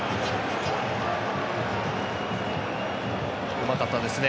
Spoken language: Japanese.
うまかったですね。